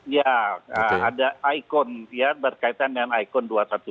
ya ada ikon ya berkaitan dengan ikon dua ratus dua belas